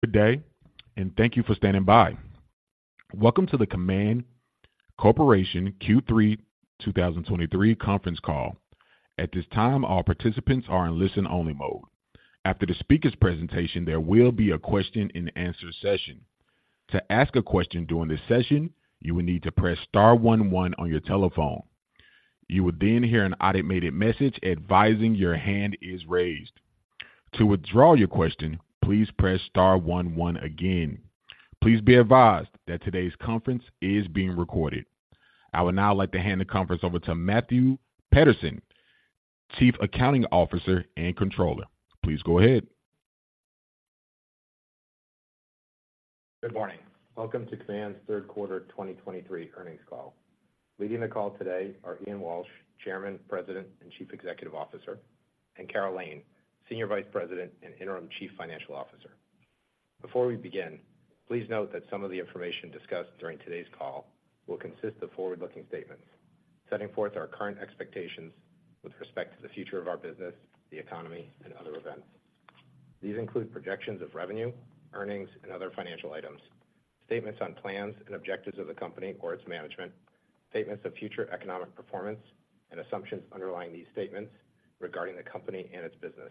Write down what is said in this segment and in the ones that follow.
Good day, and thank you for standing by. Welcome to the Kaman Corporation Q3 2023 conference call. At this time, all participants are in listen-only mode. After the speaker's presentation, there will be a question-and-answer session. To ask a question during this session, you will need to press star one one on your telephone. You will then hear an automated message advising your hand is raised. To withdraw your question, please press star one one again. Please be advised that today's conference is being recorded. I would now like to hand the conference over to Matthew Petterson, Chief Accounting Officer and Controller. Please go ahead. Good morning. Welcome to Kaman's Q3 2023 earnings call. Leading the call today are Ian Walsh, Chairman, President, and Chief Executive Officer, and Carroll Lane, Senior Vice President and Interim Chief Financial Officer. Before we begin, please note that some of the information discussed during today's call will consist of forward-looking statements, setting forth our current expectations with respect to the future of our business, the economy, and other events. These include projections of revenue, earnings, and other financial items, statements on plans and objectives of the company or its management, statements of future economic performance, and assumptions underlying these statements regarding the company and its business.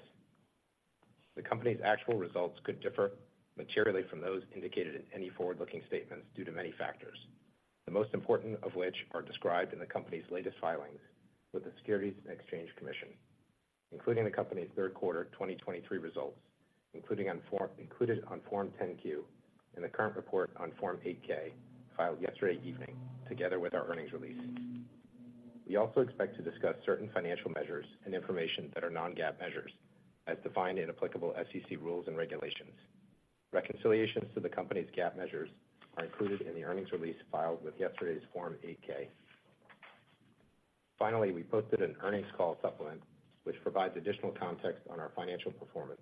The company's actual results could differ materially from those indicated in any forward-looking statements due to many factors, the most important of which are described in the company's latest filings with the Securities and Exchange Commission, including the company's Q3 2023 results included on Form 10-Q, and the current report on Form 8-K, filed yesterday evening, together with our earnings release. We also expect to discuss certain financial measures and information that are non-GAAP measures, as defined in applicable SEC rules and regulations. Reconciliations to the company's GAAP measures are included in the earnings release filed with yesterday's Form 8-K. Finally, we posted an earnings call supplement, which provides additional context on our financial performance.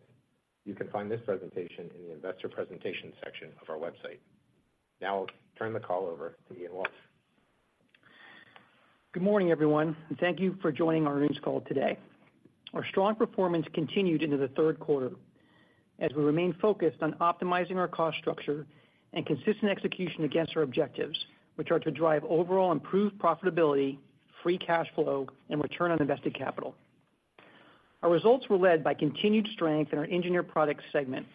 You can find this presentation in the investor presentation section of our website. Now I'll turn the call over to Ian Walsh. Good morning, everyone, and thank you for joining our earnings call today. Our strong performance continued into the Q3 as we remain focused on optimizing our cost structure and consistent execution against our objectives, which are to drive overall improved profitability, Free Cash Flow, and return on invested capital. Our results were led by continued strength in our Engineered Products segment.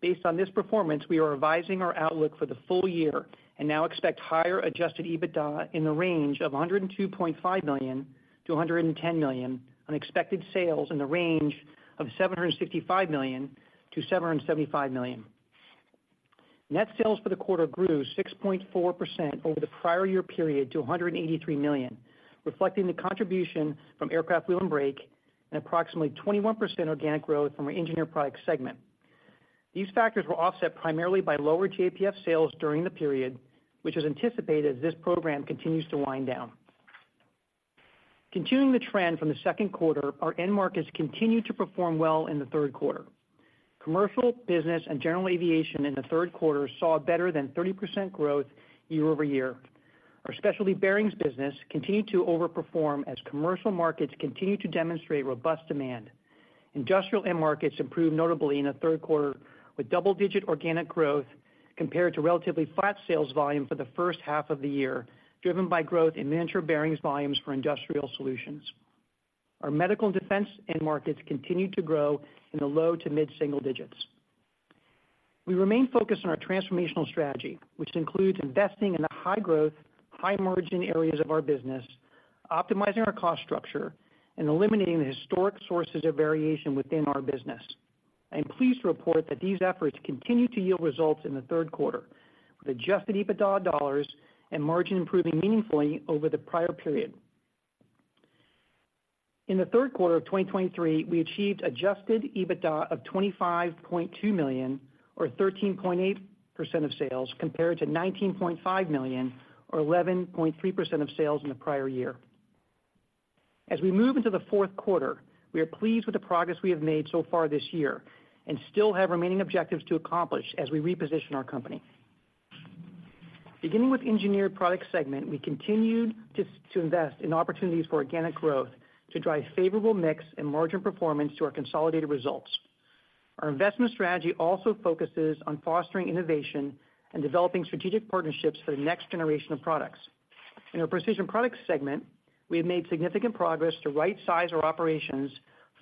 Based on this performance, we are revising our outlook for the full year and now expect higher Adjusted EBITDA in the range of $102.5 million-$110 million, on expected sales in the range of $765 million-$775 million. Net sales for the quarter grew 6.4% over the prior year period to $183 million, reflecting the contribution from Aircraft Wheel and Brake and approximately 21% organic growth from our Engineered Products segment. These factors were offset primarily by lower JPF sales during the period, which is anticipated as this program continues to wind down. Continuing the trend from the Q2, our end markets continued to perform well in the Q3. commercial, business and general aviation in the Q3 saw a better than 30% growth year-over-year. Our specialty bearings business continued to overperform as commercial markets continued to demonstrate robust demand. Industrial end markets improved notably in the Q3, with double-digit organic growth compared to relatively flat sales volume for the first half of the year, driven by growth in miniature bearings volumes for industrial solutions. Our medical and defense end markets continued to grow in the low to mid-single digits. We remain focused on our transformational strategy, which includes investing in the high growth, high margin areas of our business, optimizing our cost structure, and eliminating the historic sources of variation within our business. I'm pleased to report that these efforts continued to yield results in the Q3, with Adjusted EBITDA dollars and margin improving meaningfully over the prior period. In the Q3 of 2023, we achieved Adjusted EBITDA of $25.2 million, or 13.8% of sales, compared to $19.5 million, or 11.3% of sales in the prior year. As we move into the Q4, we are pleased with the progress we have made so far this year and still have remaining objectives to accomplish as we reposition our company. Beginning with Engineered Products segment, we continued to invest in opportunities for organic growth to drive favorable mix and margin performance to our consolidated results. Our investment strategy also focuses on fostering innovation and developing strategic partnerships for the next generation of products. In our Precision Products segment, we have made significant progress to rightsize our operations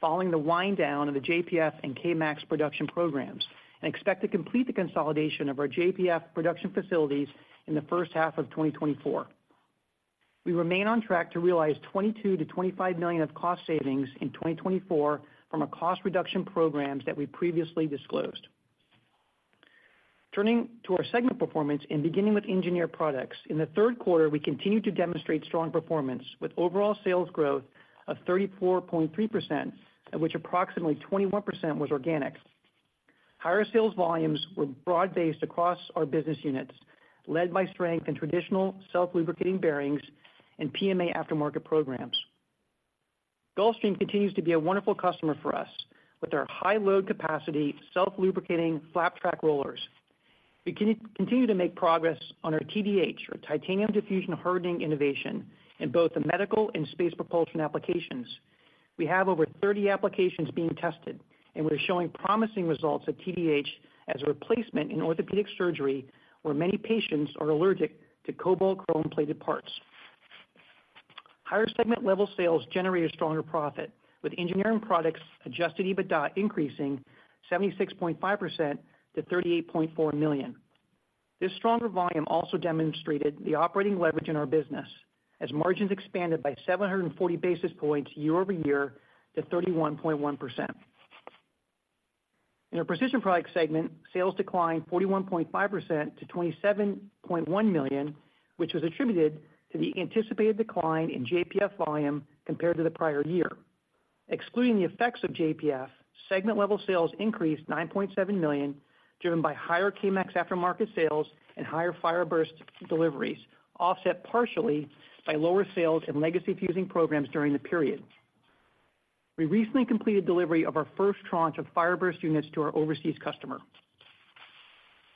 following the wind down of the JPF and K-MAX production programs and expect to complete the consolidation of our JPF production facilities in the first half of 2024. We remain on track to realize $22 million-$25 million of cost savings in 2024 from our cost reduction programs that we previously disclosed. Turning to our segment performance and beginning with Engineered Products, in the Q3, we continued to demonstrate strong performance with overall sales growth of 34.3%, of which approximately 21% was organic. Higher sales volumes were broad-based across our business units, led by strength in traditional self-lubricating bearings and PMA aftermarket programs. Gulfstream continues to be a wonderful customer for us with our high load capacity, self-lubricating flap track rollers. We continue to make progress on our TDH, or Titanium Diffusion Hardening, innovation in both the medical and space propulsion applications. We have over 30 applications being tested, and we're showing promising results of TDH as a replacement in orthopedic surgery, where many patients are allergic to cobalt chrome-plated parts. Higher segment-level sales generated stronger profit, with Engineered Products Adjusted EBITDA increasing 76.5% to $38.4 million. This stronger volume also demonstrated the operating leverage in our business, as margins expanded by 740 basis points year-over-year to 31.1%. In our Precision Products segment, sales declined 41.5% to $27.1 million, which was attributed to the anticipated decline in JPF volume compared to the prior year. Excluding the effects of JPF, segment-level sales increased $9.7 million, driven by higher K-MAX aftermarket sales and higher Fireburst deliveries, offset partially by lower sales in legacy fuzing programs during the period. We recently completed delivery of our first tranche of Fireburst units to our overseas customer.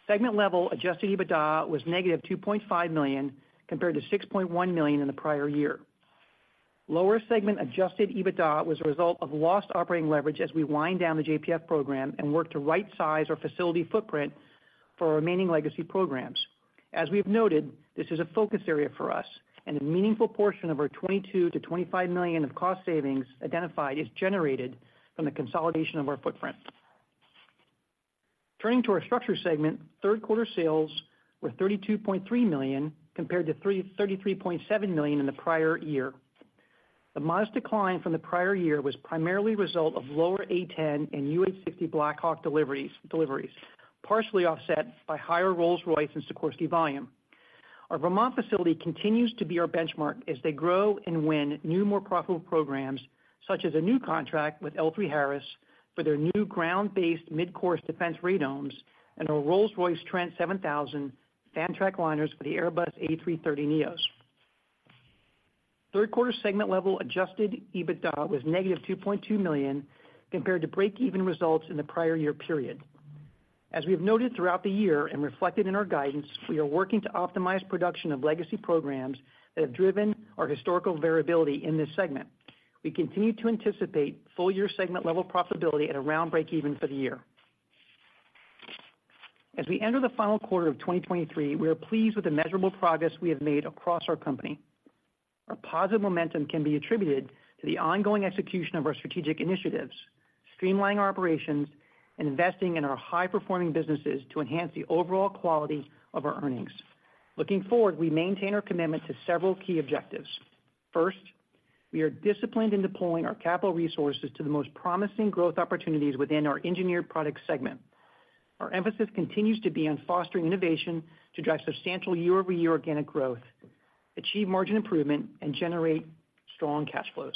Segment-level Adjusted EBITDA was -$2.5 million, compared to $6.1 million in the prior year. Lower segment Adjusted EBITDA was a result of lost operating leverage as we wind down the JPF program and work to rightsize our facility footprint for our remaining legacy programs. As we've noted, this is a focus area for us, and a meaningful portion of our $22 million-$25 million of cost savings identified is generated from the consolidation of our footprint. Turning to our Structures segment, Q3 sales were $32.3 million, compared to $33.7 million in the prior year. The modest decline from the prior year was primarily a result of lower A-10 and UH-60 Black Hawk deliveries, partially offset by higher Rolls-Royce and Sikorsky volume. Our Vermont facility continues to be our benchmark as they grow and win new, more profitable programs, such as a new contract with L3Harris for their new Ground-Based Midcourse Defense radomes and our Rolls-Royce Trent 7000 fan track liners for the Airbus A330neo. Q3 segment-level Adjusted EBITDA was -$2.2 million, compared to break-even results in the prior year period. As we've noted throughout the year and reflected in our guidance, we are working to optimize production of legacy programs that have driven our historical variability in this segment. We continue to anticipate full-year segment-level profitability at around break even for the year. As we enter the final quarter of 2023, we are pleased with the measurable progress we have made across our company. Our positive momentum can be attributed to the ongoing execution of our strategic initiatives, streamlining our operations and investing in our high-performing businesses to enhance the overall quality of our earnings. Looking forward, we maintain our commitment to several key objectives. First, we are disciplined in deploying our capital resources to the most promising growth opportunities within our Engineered Products segment. Our emphasis continues to be on fostering innovation to drive substantial year-over-year organic growth, achieve margin improvement and generate strong cash flows.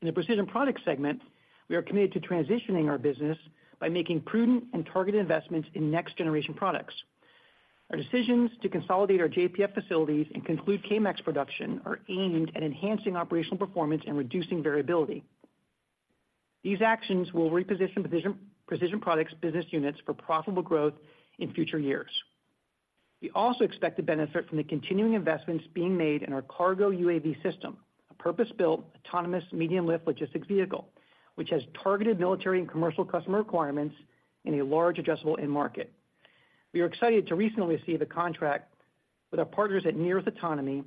In the Precision Products segment, we are committed to transitioning our business by making prudent and targeted investments in next-generation products. Our decisions to consolidate our JPF facilities and conclude K-MAX production are aimed at enhancing operational performance and reducing variability. These actions will reposition position Precision Products business units for profitable growth in future years. We also expect to benefit from the continuing investments being made in our KARGO UAV system, a purpose-built, autonomous, medium-lift logistics vehicle, which has targeted military and commercial customer requirements in a large, adjustable end market. We are excited to recently receive a contract with our partners at Near Earth Autonomy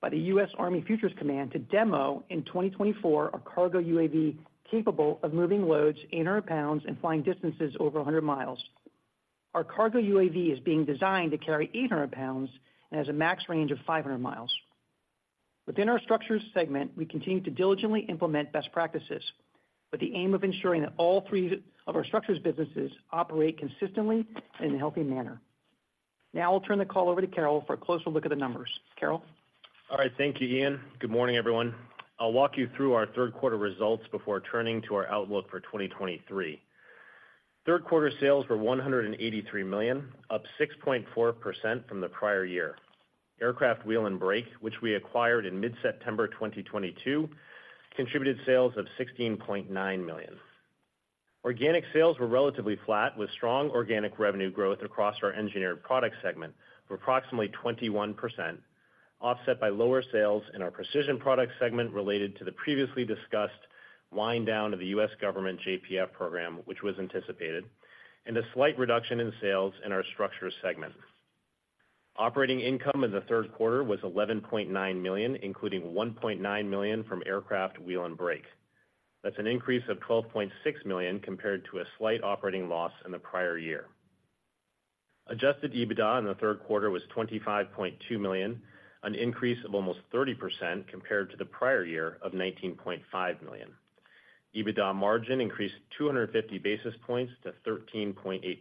by the U.S. Army Futures Command to demo, in 2024, a KARGO UAV capable of moving loads 800 pounds and flying distances over 100 miles. Our KARGO UAV is being designed to carry 800 pounds and has a max range of 500 miles. Within our Structures segment, we continue to diligently implement best practices, with the aim of ensuring that all three of our structures businesses operate consistently and in a healthy manner. Now I'll turn the call over to Carroll for a closer look at the numbers. Carroll? All right. Thank you, Ian. Good morning, everyone. I'll walk you through our Q3 results before turning to our outlook for 2023. Q3 sales were $183 million, up 6.4% from the prior year. Aircraft Wheel and Brake, which we acquired in mid-September 2022, contributed sales of $16.9 million. Organic sales were relatively flat, with strong organic revenue growth across our Engineered Products segment of approximately 21%, offset by lower sales in our Precision Products segment related to the previously discussed wind down of the U.S. government JPF program, which was anticipated, and a slight reduction in sales in our Structures segment. Operating income in the Q3 was $11.9 million, including $1.9 million from Aircraft Wheel and Brake. That's an increase of $12.6 million compared to a slight operating loss in the prior year. Adjusted EBITDA in the Q3 was $25.2 million, an increase of almost 30% compared to the prior year of $19.5 million. EBITDA margin increased 250 basis points to 13.8%.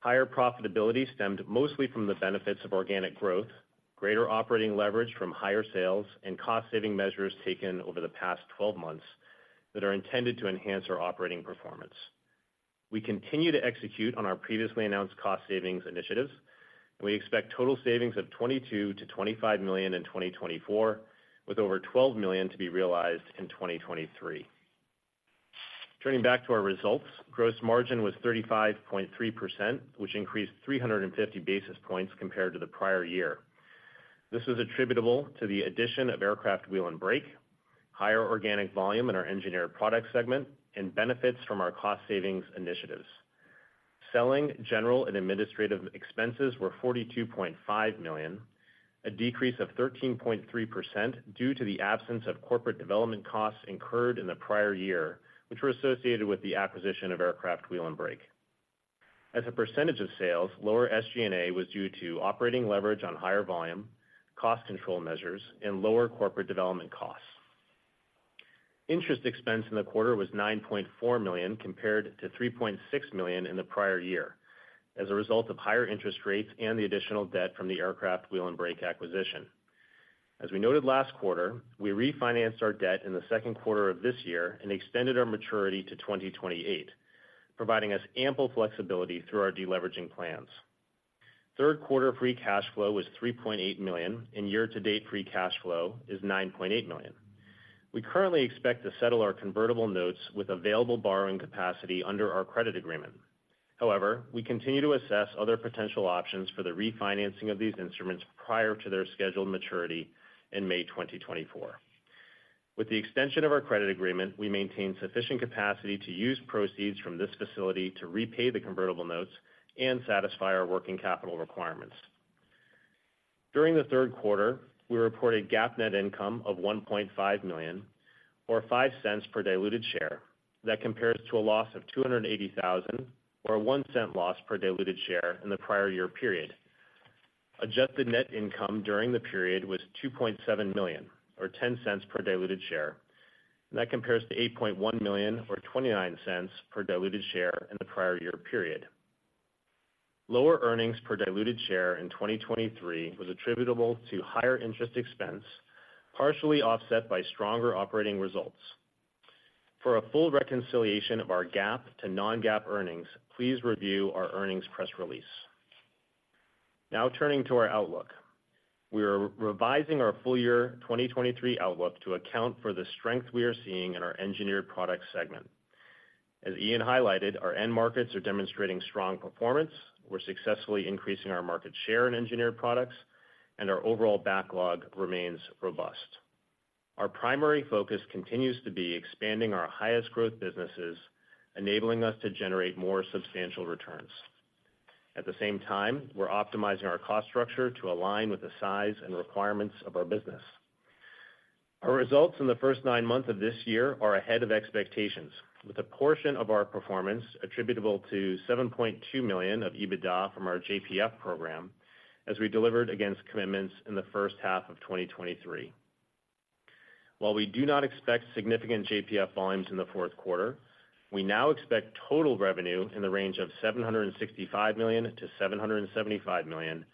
Higher profitability stemmed mostly from the benefits of organic growth, greater operating leverage from higher sales, and cost-saving measures taken over the past 12 months that are intended to enhance our operating performance. We continue to execute on our previously announced cost savings initiatives, and we expect total savings of $22 million-$25 million in 2024, with over $12 million to be realized in 2023.... Turning back to our results. Gross margin was 35.3%, which increased 350 basis points compared to the prior year. This is attributable to the addition of Aircraft Wheel and Brake, higher organic volume in our Engineered Products segment, and benefits from our cost savings initiatives. Selling, general, and administrative expenses were $42.5 million, a decrease of 13.3% due to the absence of corporate development costs incurred in the prior year, which were associated with the acquisition of Aircraft Wheel and Brake. As a percentage of sales, lower SG&A was due to operating leverage on higher volume, cost control measures, and lower corporate development costs. Interest expense in the quarter was $9.4 million, compared to $3.6 million in the prior year, as a result of higher interest rates and the additional debt from the Aircraft Wheel and Brake acquisition. As we noted last quarter, we refinanced our debt in the Q2 of this year and extended our maturity to 2028, providing us ample flexibility through our deleveraging plans. Q3 free cash flow was $3.8 million, and year-to-date free cash flow is $9.8 million. We currently expect to settle our convertible notes with available borrowing capacity under our credit agreement. However, we continue to assess other potential options for the refinancing of these instruments prior to their scheduled maturity in May 2024. With the extension of our credit agreement, we maintain sufficient capacity to use proceeds from this facility to repay the convertible notes and satisfy our working capital requirements. During the Q3, we reported GAAP net income of $1.5 million, or $0.05 per diluted share. That compares to a loss of $280,000, or a $0.01 loss per diluted share in the prior year period. Adjusted net income during the period was $2.7 million, or $0.10 per diluted share. That compares to $8.1 million, or $0.29 per diluted share in the prior year period. Lower earnings per diluted share in 2023 was attributable to higher interest expense, partially offset by stronger operating results. For a full reconciliation of our GAAP to non-GAAP earnings, please review our earnings press release. Now turning to our outlook. We are revising our full year 2023 outlook to account for the strength we are seeing in our Engineered Products segment. As Ian highlighted, our end markets are demonstrating strong performance, we're successfully increasing our market share in Engineered Products, and our overall backlog remains robust. Our primary focus continues to be expanding our highest growth businesses, enabling us to generate more substantial returns. At the same time, we're optimizing our cost structure to align with the size and requirements of our business. Our results in the first 9 months of this year are ahead of expectations, with a portion of our performance attributable to $7.2 million of EBITDA from our JPF program, as we delivered against commitments in the first half of 2023. While we do not expect significant JPF volumes in the Q4, we now expect total revenue in the range of $765 million-$775 million,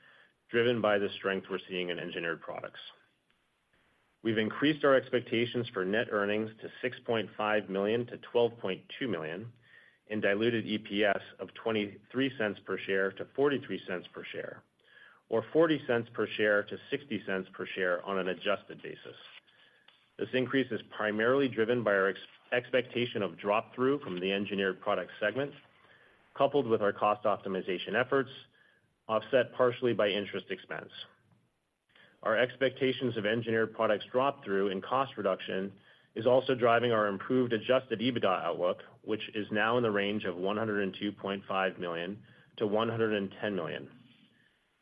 driven by the strength we're seeing in Engineered Products. We've increased our expectations for net earnings to $6.5 million-$12.2 million, and diluted EPS of $0.23 per share to $0.43 per share, or $0.40 per share to $0.60 per share on an adjusted basis. This increase is primarily driven by our expectation of drop-through from the Engineered Products segment, coupled with our cost optimization efforts, offset partially by interest expense. Our expectations of Engineered Products drop-through and cost reduction is also driving our improved Adjusted EBITDA outlook, which is now in the range of $102.5 million-$110 million.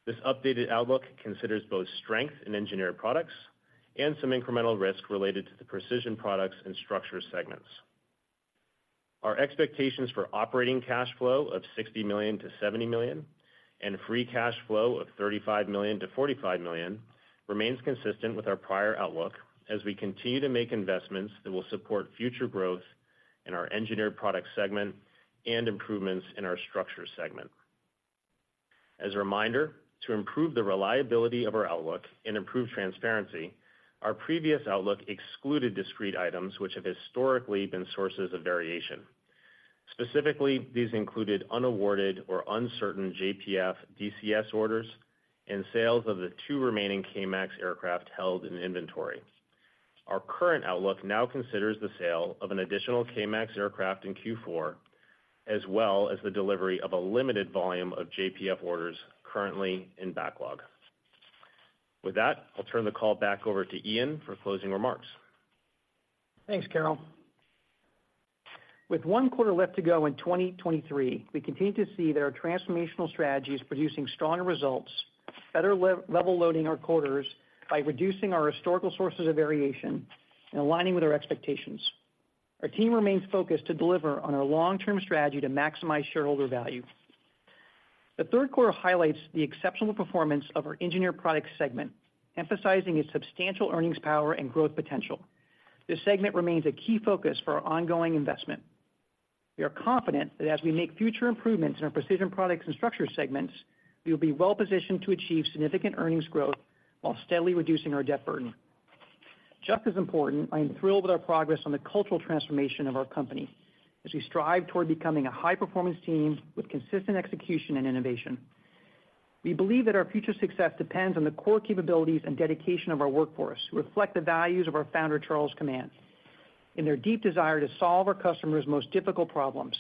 This updated outlook considers both strength in Engineered Products and some incremental risk related to the Precision Products and Structure segments. Our expectations for operating cash flow of $60 million-$70 million, and free cash flow of $35 million-$45 million, remains consistent with our prior outlook as we continue to make investments that will support future growth in our Engineered Products segment and improvements in our Structure segment. As a reminder, to improve the reliability of our outlook and improve transparency, our previous outlook excluded discrete items which have historically been sources of variation. Specifically, these included unawarded or uncertain JPF DCS orders and sales of the two remaining K-MAX aircraft held in inventory. Our current outlook now considers the sale of an additional K-MAX aircraft in Q4, as well as the delivery of a limited volume of JPF orders currently in backlog. With that, I'll turn the call back over to Ian for closing remarks. Thanks, Carroll. With one quarter left to go in 2023, we continue to see that our transformational strategy is producing stronger results, better level loading our quarters by reducing our historical sources of variation and aligning with our expectations. Our team remains focused to deliver on our long-term strategy to maximize shareholder value. The Q3 highlights the exceptional performance of our Engineered Products segment, emphasizing its substantial earnings power and growth potential. This segment remains a key focus for our ongoing investment. We are confident that as we make future improvements in our Precision Products and Structures segments, we will be well-positioned to achieve significant earnings growth while steadily reducing our debt burden. Just as important, I am thrilled with our progress on the cultural transformation of our company, as we strive toward becoming a high-performance team with consistent execution and innovation. We believe that our future success depends on the core capabilities and dedication of our workforce, who reflect the values of our founder, Charles Kaman, and their deep desire to solve our customers' most difficult problems.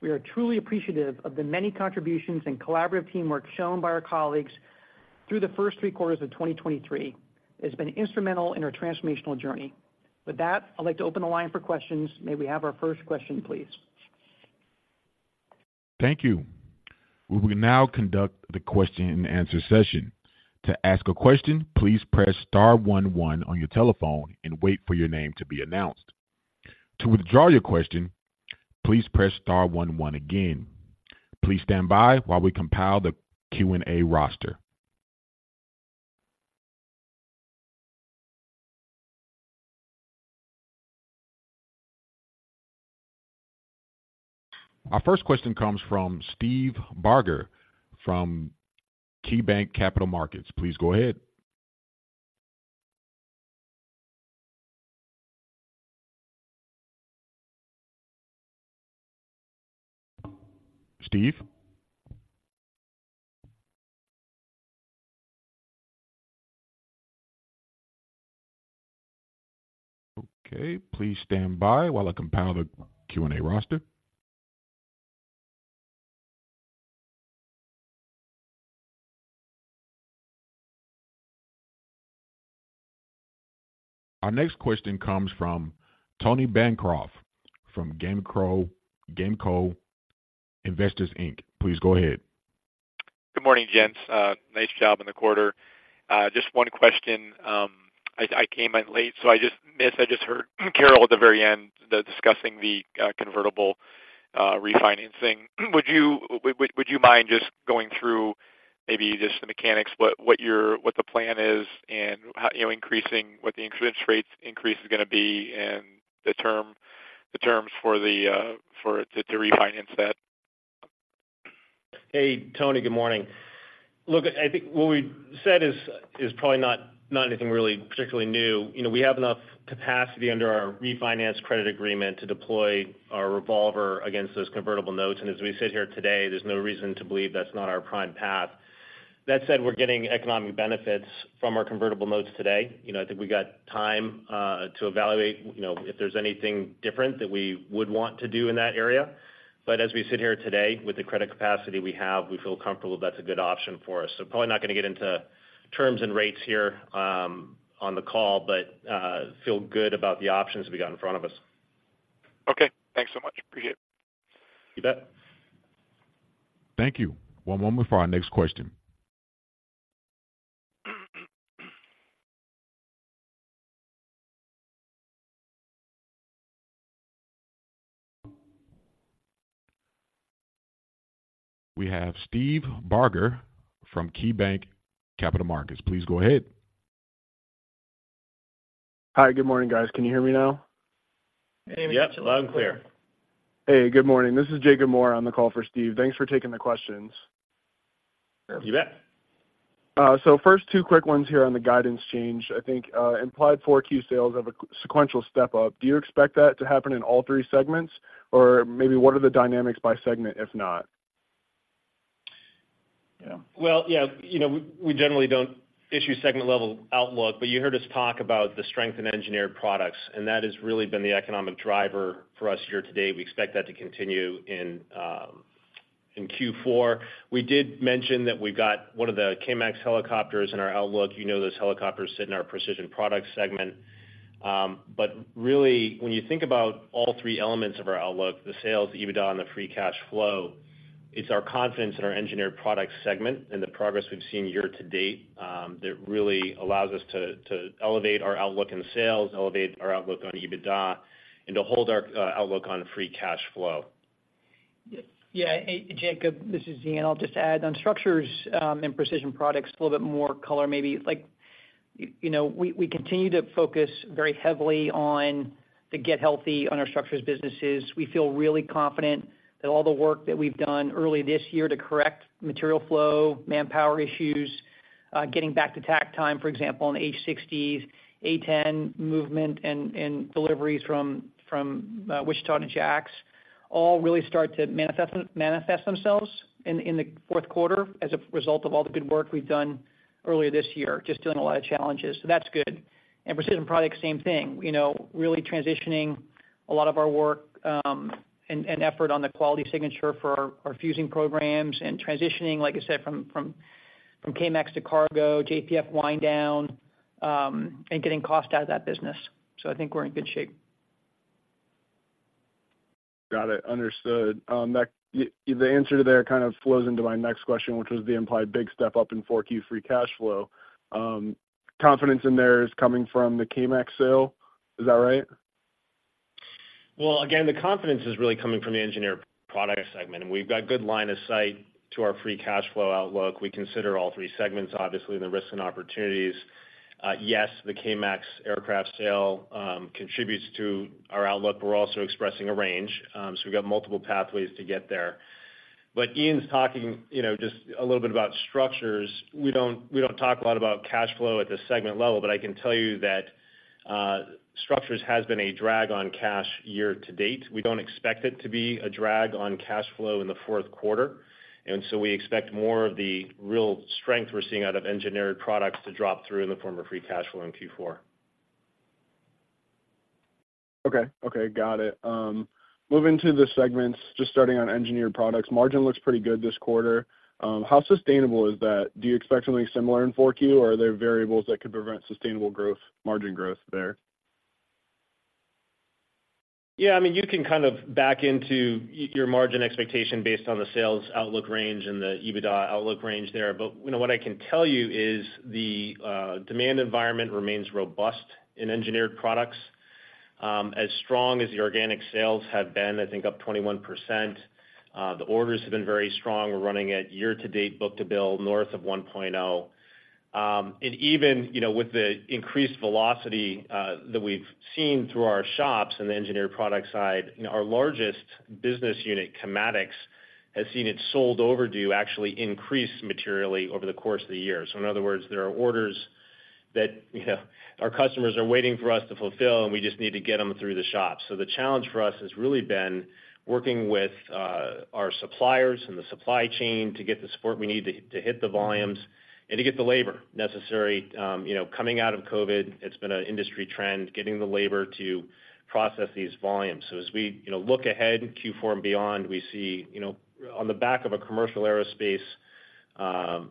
We are truly appreciative of the many contributions and collaborative teamwork shown by our colleagues through the first three quarters of 2023. It's been instrumental in our transformational journey. With that, I'd like to open the line for questions. May we have our first question, please? Thank you. We will now conduct the question and answer session. To ask a question, please press star one one on your telephone and wait for your name to be announced. To withdraw your question, please press star one one again. Please stand by while we compile the Q&A roster. Our first question comes from Steve Barger from KeyBanc Capital Markets. Please go ahead. Steve? Okay, please stand by while I compile the Q&A roster. Our next question comes from Tony Bancroft from Gamco Investors, Inc. Please go ahead. Good morning, gents. Nice job in the quarter. Just one question. I came in late, so I just missed. I just heard Carroll at the very end discussing the convertible refinancing. Would you mind just going through maybe just the mechanics, what the plan is and how, you know, increasing, what the interest rates increase is gonna be and the terms for it to refinance that? Hey, Tony, good morning. Look, I think what we said is probably not anything really particularly new. You know, we have enough capacity under our refinance credit agreement to deploy our revolver against those convertible notes. And as we sit here today, there's no reason to believe that's not our prime path. That said, we're getting economic benefits from our convertible notes today. You know, I think we got time to evaluate, you know, if there's anything different that we would want to do in that area. But as we sit here today, with the credit capacity we have, we feel comfortable that's a good option for us. So probably not gonna get into terms and rates here on the call, but feel good about the options we got in front of us. Okay. Thanks so much. Appreciate it. You bet. Thank you. One moment for our next question. We have Steve Barger from KeyBanc Capital Markets. Please go ahead. Hi, good morning, guys. Can you hear me now? Hey. Yep, loud and clear. Hey, good morning. This is Jacob Moore on the call for Steve. Thanks for taking the questions. You bet. So first, two quick ones here on the guidance change. I think, implied 4 Q sales of a Q-sequential step up. Do you expect that to happen in all three segments? Or maybe what are the dynamics by segment, if not? Yeah. Well, yeah, you know, we generally don't issue segment-level outlook, but you heard us talk about the strength in engineered products, and that has really been the economic driver for us here today. We expect that to continue in Q4. We did mention that we've got one of the K-MAX helicopters in our outlook. You know, those helicopters sit in our precision products segment. But really, when you think about all three elements of our outlook, the sales, EBITDA, and the free cash flow, it's our confidence in our Engineered Products segment and the progress we've seen year to date that really allows us to elevate our outlook in sales, elevate our outlook on EBITDA, and to hold our outlook on free cash flow. Yeah, Jacob, this is Ian. I'll just add on structures, and precision products, a little bit more color, maybe. Like, you know, we, we continue to focus very heavily on the get healthy on our structures businesses. We feel really confident that all the work that we've done early this year to correct material flow, manpower issues, getting back to takt time, for example, on H-60s, A-10 movement and, and deliveries from, from, Wichita to Jax, all really start to manifest, manifest themselves in, in the Q4 as a result of all the good work we've done earlier this year, just doing a lot of challenges. So that's good. And precision products, same thing. You know, really transitioning a lot of our work and effort on the quality signature for our fuzing programs and transitioning, like I said, from K-MAX to KARGO, JPF wind down, and getting cost out of that business. So I think we're in good shape. Got it. Understood. The answer to that kind of flows into my next question, which was the implied big step-up in 4Q free cash flow. Confidence in that is coming from the K-MAX sale. Is that right? Well, again, the confidence is really coming from the Engineered Products segment, and we've got good line of sight to our free cash flow outlook. We consider all three segments, obviously, the risks and opportunities. Yes, the K-MAX aircraft sale contributes to our outlook, but we're also expressing a range. So we've got multiple pathways to get there. But Ian's talking, you know, just a little bit about structures. We don't, we don't talk a lot about cash flow at the segment level, but I can tell you that structures has been a drag on cash year to date. We don't expect it to be a drag on cash flow in the Q4, and so we expect more of the real strength we're seeing out of engineered products to drop through in the form of free cash flow in Q4. Okay. Okay, got it. Moving to the segments, just starting on engineered products. Margin looks pretty good this quarter. How sustainable is that? Do you expect something similar in Q4, or are there variables that could prevent sustainable growth, margin growth there? Yeah, I mean, you can kind of back into your margin expectation based on the sales outlook range and the EBITDA outlook range there. But, you know, what I can tell you is the demand environment remains robust in engineered products. As strong as the organic sales have been, I think up 21%, the orders have been very strong. We're running at year to date, Book-to-Bill, north of 1.0. And even, you know, with the increased velocity that we've seen through our shops in the engineered product side, you know, our largest business unit, Kamatics, has seen its past due actually increase materially over the course of the year. So in other words, there are orders that, you know, our customers are waiting for us to fulfill, and we just need to get them through the shop. So the challenge for us has really been working with, our suppliers and the supply chain to get the support we need to hit the volumes and to get the labor necessary. You know, coming out of COVID, it's been an industry trend, getting the labor to process these volumes. So as we, you know, look ahead, Q4 and beyond, we see, you know, on the back of a commercial aerospace,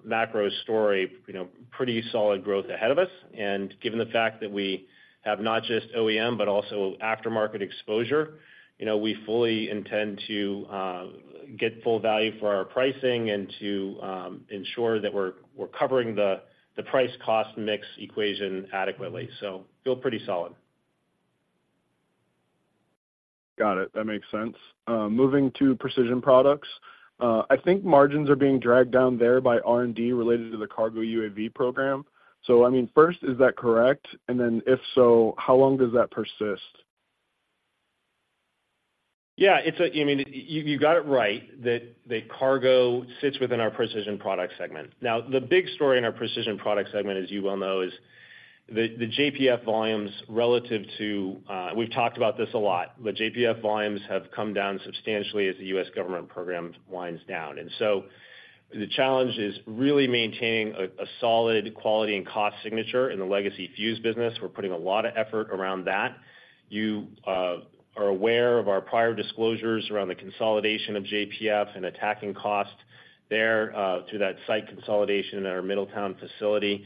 macro story, you know, pretty solid growth ahead of us. And given the fact that we have not just OEM, but also aftermarket exposure, you know, we fully intend to get full value for our pricing and to ensure that we're, we're covering the, the price cost mix equation adequately, so feel pretty solid. Got it. That makes sense. Moving to Precision Products, I think margins are being dragged down there by R&D related to the KARGO UAV program. So, I mean, first, is that correct? And then, if so, how long does that persist? Yeah, it's a... I mean, you got it right, that the cargo sits within our Precision Products segment. Now, the big story in our Precision Products segment, as you well know, is the JPF volumes relative to, we've talked about this a lot, the JPF volumes have come down substantially as the U.S. government program winds down. And so the challenge is really maintaining a solid quality and cost signature in the legacy fuze business. We're putting a lot of effort around that. You are aware of our prior disclosures around the consolidation of JPF and attacking cost there, to that site consolidation in our Middletown facility.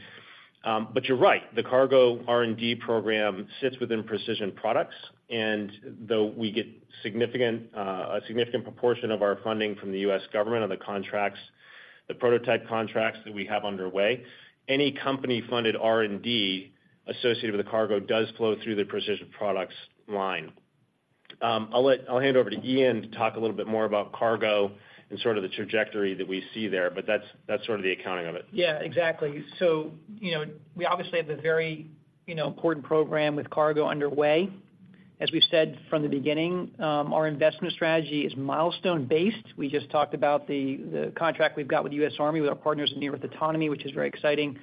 But you're right, the KARGO R&D program sits within Precision Products, and though we get significant, a significant proportion of our funding from the U.S. government on the contracts, the prototype contracts that we have underway, any company-funded R&D associated with the KARGO does flow through the Precision Products line. I'll hand over to Ian to talk a little bit more about KARGO and sort of the trajectory that we see there, but that's, that's sort of the accounting of it. Yeah, exactly. So, you know, we obviously have a very, you know, important program with cargo underway. As we've said from the beginning, our investment strategy is milestone-based. We just talked about the, the contract we've got with the U.S. Army, with our partners in Near Earth Autonomy, which is very exciting.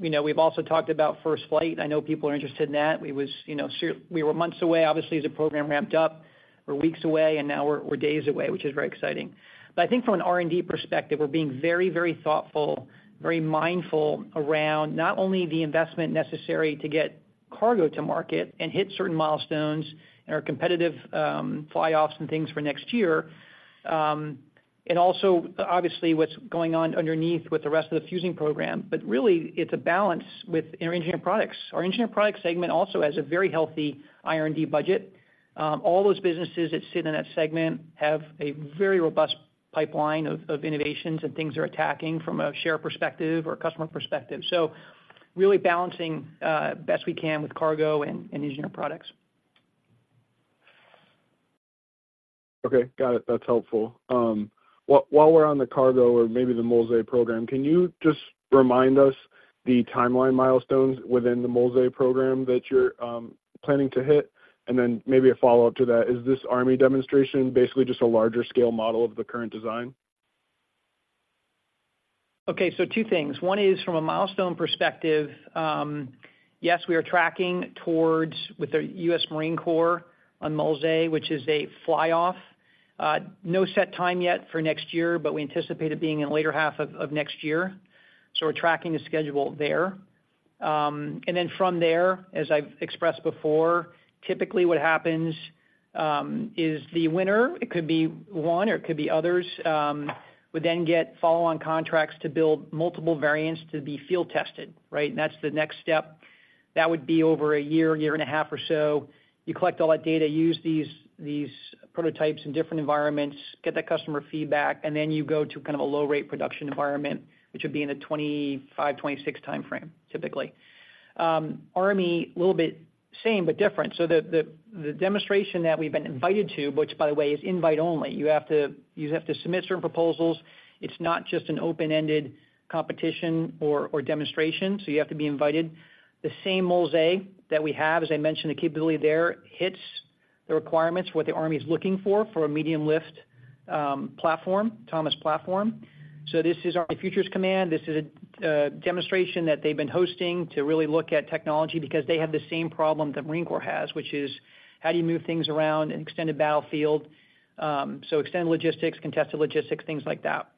You know, we've also talked about first flight. I know people are interested in that. We were months away, obviously, as the program ramped up. We're weeks away, and now we're, we're days away, which is very exciting. But I think from an R&D perspective, we're being very, very thoughtful, very mindful around not only the investment necessary to get cargo to market and hit certain milestones and our competitive fly offs and things for next year, and also obviously, what's going on underneath with the rest of the fuzing program. But really, it's a balance with our engineered products. Our Engineered Products segment also has a very healthy IRD budget. All those businesses that sit in that segment have a very robust pipeline of, of innovations and things are attacking from a share perspective or customer perspective. So really balancing best we can with cargo and engineered products. Okay, got it. That's helpful. While we're on the cargo or maybe the MULS program, can you just remind us the timeline milestones within the MULS program that you're planning to hit? And then maybe a follow-up to that, is this Army demonstration basically just a larger scale model of the current design? Okay, so two things. One is from a milestone perspective, yes, we are tracking towards with the U.S. Marine Corps on MULS, which is a fly off. No set time yet for next year, but we anticipate it being in later half of next year. So we're tracking the schedule there. And then from there, as I've expressed before, typically what happens is the winner, it could be one or it could be others, would then get follow-on contracts to build multiple variants to be field-tested, right? And that's the next step. That would be over a year, year and a half or so. You collect all that data, use these prototypes in different environments, get that customer feedback, and then you go to kind of a low rate production environment, which would be in a 2025-2026 timeframe, typically. Army, a little bit same, but different. So the demonstration that we've been invited to, which, by the way, is invite-only. You have to submit certain proposals. It's not just an open-ended competition or demonstration, so you have to be invited. The same MULS that we have, as I mentioned, the capability there, hits the requirements, what the Army is looking for, for a medium-lift platform, autonomous platform. So this is our Futures Command. This is a demonstration that they've been hosting to really look at technology because they have the same problem that Marine Corps has, which is: how do you move things around an extended battlefield? So extended logistics, contested logistics, things like that.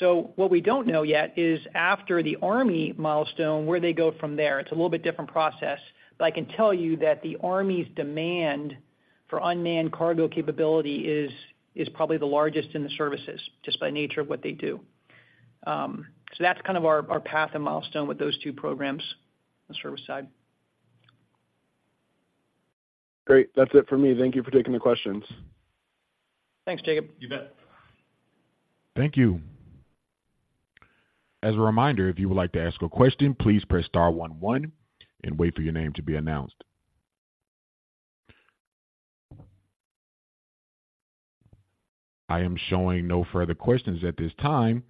So what we don't know yet is after the Army milestone, where they go from there. It's a little bit different process, but I can tell you that the Army's demand for unmanned cargo capability is probably the largest in the services, just by nature of what they do. So that's kind of our path and milestone with those two programs on the service side. Great. That's it for me. Thank you for taking the questions. Thanks, Jacob. You bet. Thank you. As a reminder, if you would like to ask a question, please press star one one and wait for your name to be announced. I am showing no further questions at this time.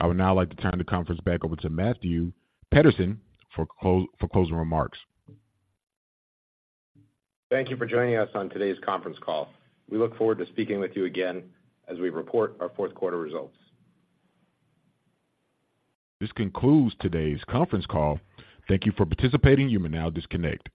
I would now like to turn the conference back over to Matthew Petterson for closing remarks. Thank you for joining us on today's conference call. We look forward to speaking with you again as we report our Q4 results. This concludes today's conference call. Thank you for participating. You may now disconnect.